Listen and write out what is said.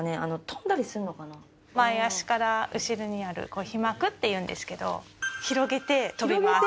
前足から後ろにある飛膜っていうんですけど広げて飛びます。